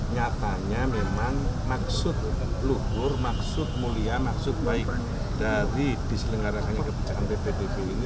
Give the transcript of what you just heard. nyatanya memang maksud luhur maksud mulia maksud baik dari diselenggarakannya kebijakan ppdb ini